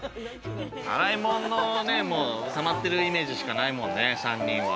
洗い物ね、たまっているイメージしかないもんね、３人は。